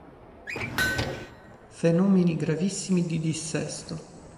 Fenomeni gravissimi di dissesto.